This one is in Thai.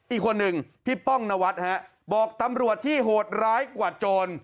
อีกคนหนึ่งพี่ป้องนวัดฮะบอกตำรวจที่โหดร้ายกว่าโจร